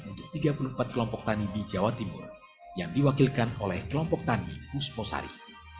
untuk tiga puluh empat kelompok tani di jawa timur yang diwakilkan oleh kelompok tani pusposari